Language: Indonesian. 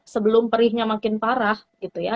sebelum perihnya makin parah gitu ya